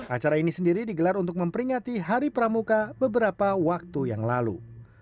acara ini sendiri digelar untuk memperingati hari pramuka beberapa waktu yang lalu